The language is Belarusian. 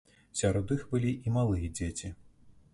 Сярод іх былі і малыя дзеці.